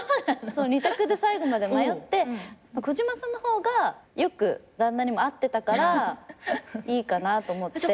２択で最後まで迷って小嶋さんの方がよく旦那にも会ってたからいいかなと思って。